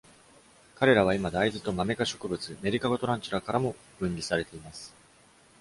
彼らは今、大豆とマメ科植物「メディカゴトランチュラ」からも分離されています。